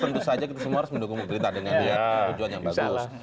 tentu saja kita semua harus mendukung pemerintah dengan niat tujuan yang bagus